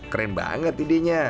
keren banget idenya